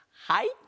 はい。